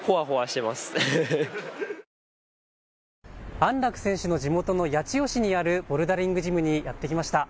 安楽選手の地元の八千代市にあるボルダリングジムにやって来ました。